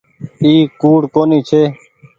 اي ڪوڙ ڪونيٚ ڇي۔